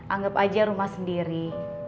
anggap aja rumah sendiri